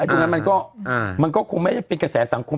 ตรงนั้นมันก็คงไม่ได้เป็นกระแสสังคม